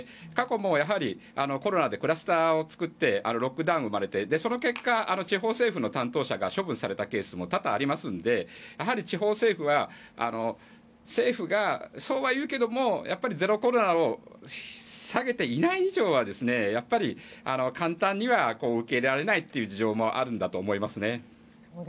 過去もコロナでクラスターを作ってロックダウンが生まれてその結果、地方政府の担当者が処分されたケースも多々ありますので地方政府は政府がそうは言うけどやっぱりゼロコロナを下げていない以上はやっぱり簡単には受け入れられないという事情もあるんだと思いますね。